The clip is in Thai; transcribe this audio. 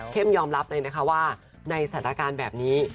ยอมรับเลยนะคะว่าในสถานการณ์แบบนี้